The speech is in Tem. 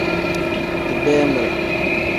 Digbeemire.